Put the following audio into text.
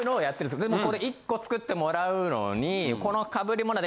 でもこれ１個作ってもらうのにこの。